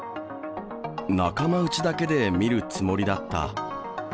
仲間うちだけで見るつもりだ